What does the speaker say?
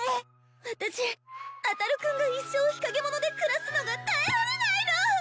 私あたる君が一生日陰者で暮らすのが耐えられないの！